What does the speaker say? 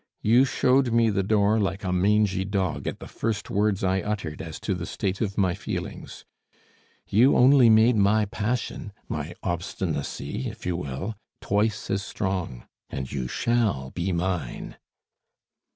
You showed me the door like a mangy dog at the first words I uttered as to the state of my feelings; you only made my passion my obstinacy, if you will twice as strong, and you shall be mine."